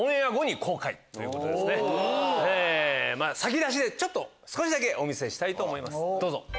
先出しで少しだけお見せしたいと思いますどうぞ。